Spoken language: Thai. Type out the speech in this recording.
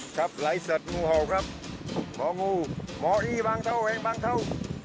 ครับลายสัตว์งูเห่าครับหมองูหมออี้บางเท่าเองบางเท่า